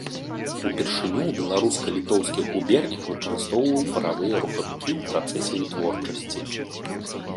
Упершыню ў беларуска-літоўскіх губернях выкарыстоўваў паравыя рухавікі ў працэсе вытворчасці.